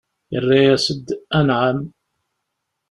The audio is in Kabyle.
Irra-yas-d: Anɛam!